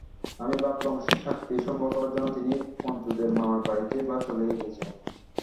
আমি ভাবলুম, সাক্ষী সংগ্রহ করবার জন্যে তিনি পঞ্চুদের মামার বাড়িতেই বা চলে গেছেন।